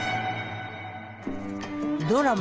ドラマ